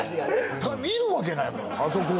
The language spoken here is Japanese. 見るわけないもんあそこ。